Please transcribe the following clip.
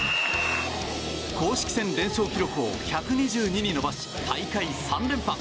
公式戦連勝記録を１２２に伸ばし大会３連覇。